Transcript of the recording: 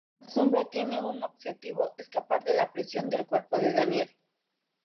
La sombra tiene un objetivo: escapar de la prisión del cuerpo de Daniel.